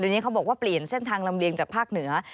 เดี๋ยวนี้เขาบอกว่าเปลี่ยนเส้นทางลำเลียงจากภาคเหนือ